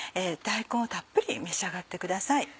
大根をたっぷり召し上がってください。